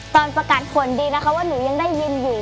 ประกาศผลดีนะคะว่าหนูยังได้ยินอยู่